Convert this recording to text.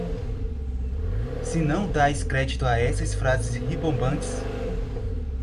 Se não dais crédito a essas frases ribombantes